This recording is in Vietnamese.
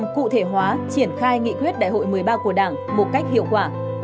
cụ thể hóa triển khai nghị quyết đại hội một mươi ba của đảng một cách hiệu quả